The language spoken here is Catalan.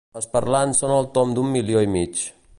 Els parlants són al tomb d'un milió i mig.